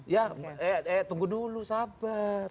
ya tunggu dulu sabar